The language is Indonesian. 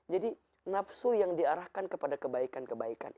jadi nafsu yang diarahkan kepada kebaikan kebaikan